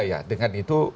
iya dengan itu